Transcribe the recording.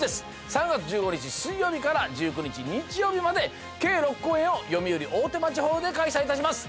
３月１５日水曜日から１９日日曜日まで計６公演をよみうり大手町ホールで開催いたします